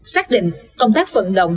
xác định công tác vận động